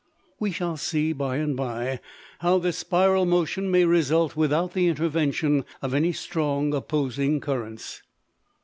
We shall see, by and by, how this spiral motion may result without the intervention of any strong opposing currents.